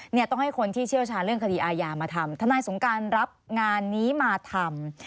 เนี่ยต้องให้คนที่เชี่ยวชาญเรื่องคดีอาญามาทำทนายสงการรับงานนี้มาทำ